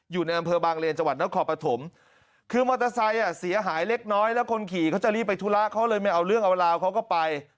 อยู่ในอำเภอบางเลนจังหวัดนครปฐมคือมอเตอร์ไซค์อ่ะเสียหายเล็กน้อยแล้วคนขี่เขาจะรีบไปธุระเขาเลยไม่เอาเรื่องเอาราวเขาก็ไป